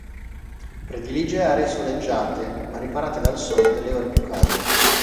Predilige aree soleggiate ma riparate dal sole delle ore più calde.